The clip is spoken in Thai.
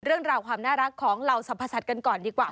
เรื่องราวความน่ารักของเหล่าสรรพสัตว์กันก่อนดีกว่า